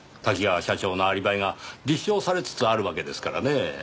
多岐川社長のアリバイが立証されつつあるわけですからねぇ。